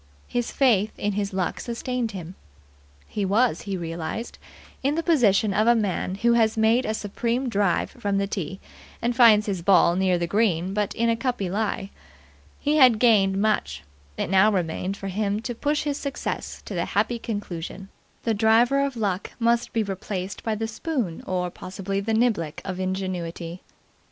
His faith in his luck sustained him. He was, he realized, in the position of a man who has made a supreme drive from the tee, and finds his ball near the green but in a cuppy lie. He had gained much; it now remained for him to push his success to the happy conclusion. The driver of Luck must be replaced by the spoon or, possibly, the niblick of Ingenuity.